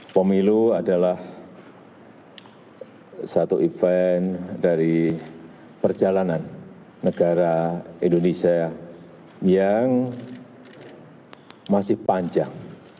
pemilu adalah satu event dari perjalanan negara indonesia yang masih panjang